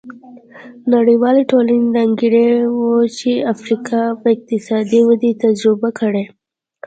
نړیوالې ټولنې انګېرلې وه چې افریقا به اقتصادي وده تجربه کړي.